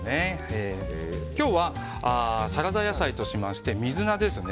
今日は、サラダ野菜として水菜ですね。